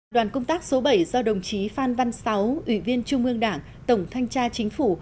đoàn công tác số bảy do đồng chí phan văn sáu ủy viên trung ương đảng tổng thanh tra chính phủ